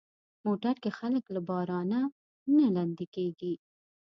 موټر کې خلک له بارانه نه لندي کېږي.